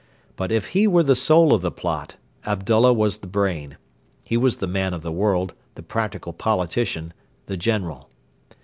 But if he were the soul of the plot, Abdullah was the brain. He was the man of the world, the practical politician, the general.